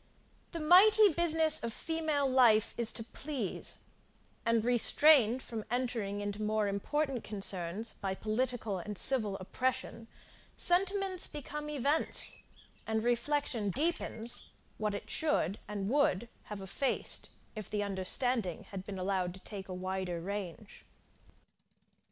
The mighty business of female life is to please, and, restrained from entering into more important concerns by political and civil oppression, sentiments become events, and reflection deepens what it should, and would have effaced, if the understanding had been allowed to take a wider range.